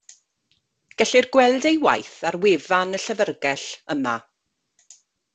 Gellir gweld ei waith ar wefan y Llyfrgell, yma.